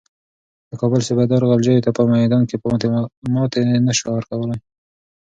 د کابل صوبه دار غلجیو ته په میدان کې ماتې نه شوه ورکولای.